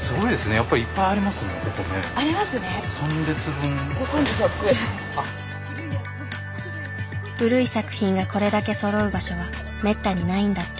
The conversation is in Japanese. やっぱり古い作品がこれだけそろう場所はめったにないんだって。